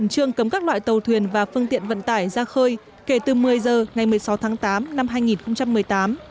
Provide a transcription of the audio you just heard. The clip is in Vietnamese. trường cấm các loại tàu thuyền và phương tiện vận tải ra khơi kể từ một mươi giờ ngày một mươi sáu tháng tám năm hai nghìn một mươi tám